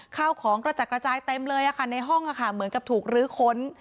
ข้าวของกระจัดกระจายเต็มเลยในห้องเหมือนกับถูกลื้อค้น